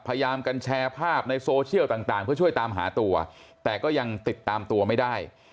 พยายามกันแชร์ภาพในโซเชียลต่างเพื่อช่วยตามหาตัวแต่ก็ยังติดตามตัวไม่ได้